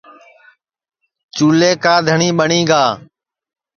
چُولے کا دھٹؔی ٻٹؔی گا